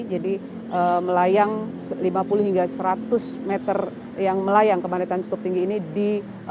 jadi melayang lima puluh hingga seratus meter yang melayang kemah netan cukup tinggi ini di